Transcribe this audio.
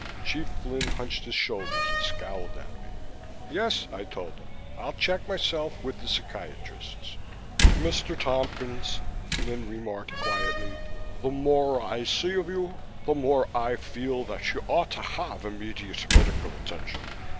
Chief Flynn hunched his shoulders and scowled at me. "Yes," I told him, "I'll check myself with the psychiatrists." "Mr. Tompkins," Flynn remarked quietly, "the more I see of you the more I feel that you ought to have immediate medical attention."